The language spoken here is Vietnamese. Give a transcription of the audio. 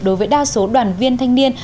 đối với đa số đoàn viên thanh niên